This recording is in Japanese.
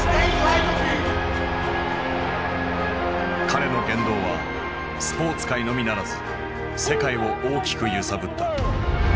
彼の言動はスポーツ界のみならず世界を大きく揺さぶった。